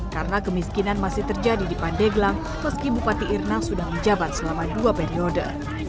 karena kemiskinan masih terjadi di pandeglang meski bupati irna sudah menjabat selama dua periode